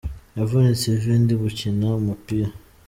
Navunitse ivi ndigukina umupira.